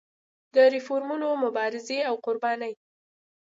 د ریفورمونو مبارزې او قربانۍ.